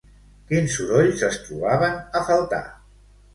Quins sorolls es trobaven a faltar?